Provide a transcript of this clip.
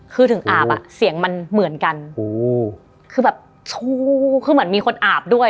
คือถึงอาบอ่ะเสียงมันเหมือนกันโอ้โหคือแบบชูคือเหมือนมีคนอาบด้วย